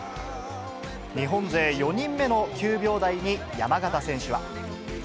日本勢４人目の９秒台に山縣選手は。